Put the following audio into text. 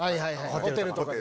ホテルとかで。